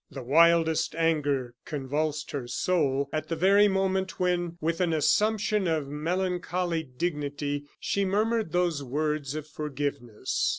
The wildest anger convulsed her soul at the very moment, when, with an assumption of melancholy dignity, she murmured those words of forgiveness.